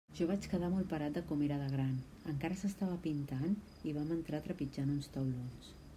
Jo vaig quedar molt parat de com era de gran; encara s'estava pintant, i vam entrar trepitjant uns taulons.